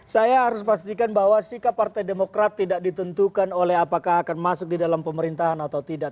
saya harus pastikan bahwa sikap partai demokrat tidak ditentukan oleh apakah akan masuk di dalam pemerintahan atau tidak